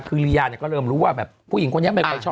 คือลียาก็เริ่มรู้ว่าผู้หญิงคนนี้ไม่ชอบแม่เขา